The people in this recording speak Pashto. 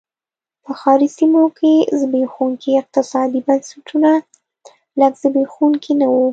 په ښاري سیمو کې زبېښونکي اقتصادي بنسټونه لږ زبېښونکي نه و.